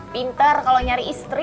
pinter kalau nyari istri